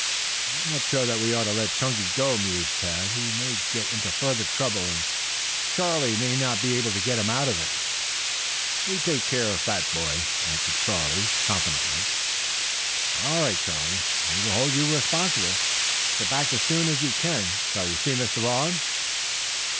"I am not sure that we ought to let Chunky go," mused Tad. "He may get into further trouble, and Charlie might not be able to get him out of it." "Me take care fat boy," answered Charlie John confidently. "All right, Charlie. We will hold you responsible. Get back as soon as you can. Shall you see Mr. Vaughn?"